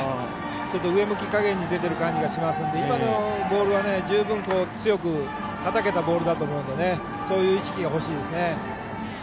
上向き加減に出ている感じがしますので今のボールは十分強くはたけたボールですのでそういう意識が欲しいですね。